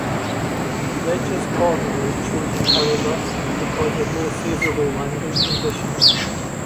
Leger's Corner was chosen however because of more favourable landing conditions.